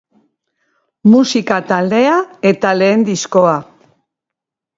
Musika taldea eta lehen diskoa.